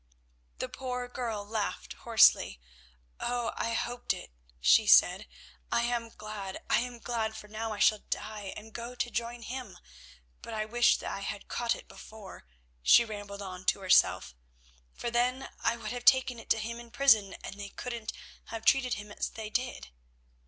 The poor girl laughed hoarsely. "Oh! I hoped it," she said. "I am glad, I am glad, for now I shall die and go to join him. But I wish that I had caught it before," she rambled on to herself, "for then I would have taken it to him in prison and they couldn't have treated him as they did."